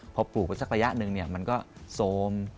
พอปลูกไปสักระยะหนึ่งมันก็โซม